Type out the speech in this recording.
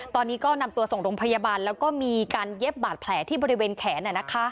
ตอนนี้ก็นำตัวส่งโรงพยาบาลแล้วก็มีการเย็บบาดแผลที่บริเวณแขน